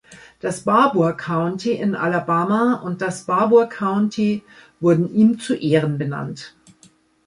Das Barbour County in Alabama und das Barbour County wurden ihm zu Ehren benannt.